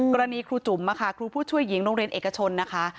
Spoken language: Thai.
กรณีครูจุ๋มครูผู้ช่วยหญิงโรงเรียนเอกชนนะคะ